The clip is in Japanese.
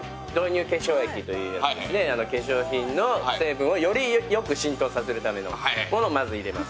化粧液というので化粧品の成分をよりよく浸透させるためのものを入れます。